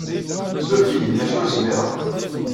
Ssuref-iyi, maca ur zmireɣ.